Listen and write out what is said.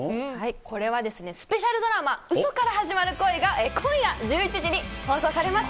これはですね、スペシャルドラマ、嘘から始まる恋が、今夜１１時に放送されます。